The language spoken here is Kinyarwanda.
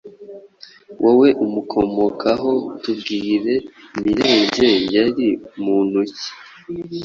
wowe umukomokaho tubwire Mirenge yari muntu ki?